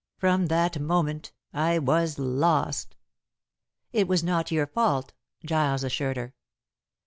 "From that moment I was lost." "It was not your fault," Giles assured her.